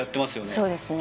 そうですね